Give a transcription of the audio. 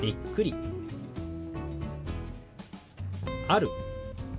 「ある」。